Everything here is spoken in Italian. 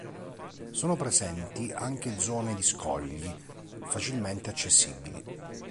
Sono presenti anche zone di scogli, facilmente accessibili.